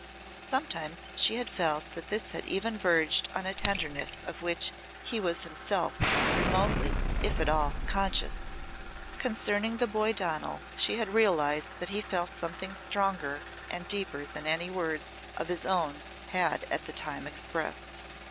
Sometimes she had felt that this had even verged on a tenderness of which he was himself remotely, if at all, conscious. Concerning the boy Donal she had realised that he felt something stronger and deeper than any words of his own had at any time expressed.